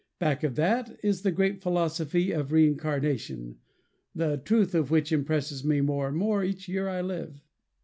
Back of that is the great philosophy of reincarnation the truth of which impresses me more and more each year I live.